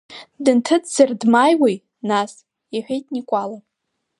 Дынҭыҵзар дмааиуеи, нас, — иҳәеит Никәала.